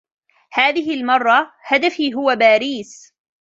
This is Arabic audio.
هذه المرة ، هدفي هو باريس.